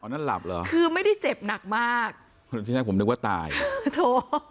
นั่นหลับเหรอคือไม่ได้เจ็บหนักมากที่แรกผมนึกว่าตายเออ